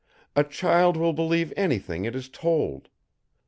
A child will believe anything it is told.